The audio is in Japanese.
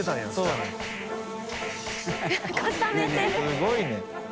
すごいね。